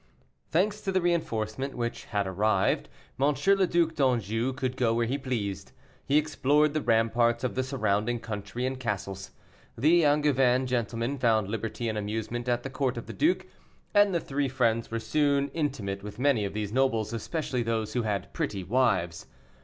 Thanks to the reinforcement which had arrived, M. le Duc d'Anjou could go where he pleased; he explored the ramparts of the surrounding country and castles. The Angevin gentlemen found liberty and amusement at the court of the duke, and the three friends were soon intimate with many of these nobles, especially those who had pretty wives.